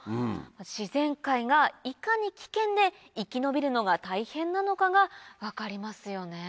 自然界がいかに危険で生き延びるのが大変なのかが分かりますよね。